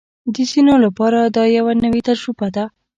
د ځینو لپاره دا یوه نوې تجربه ده